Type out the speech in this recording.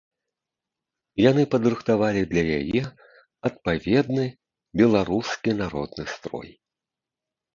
Яны падрыхтавалі для яе адпаведны беларускі народны строй.